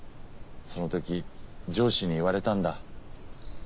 そのとき上司に言われたんだ。